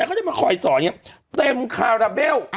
แล้วเขาจะมาคอยสอนอย่างเงี้ยเต็มคราวดับมา